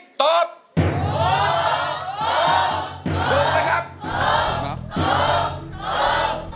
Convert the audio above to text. ถูกถูกถูกถูกถูกถูกถูกถูกถูกถูก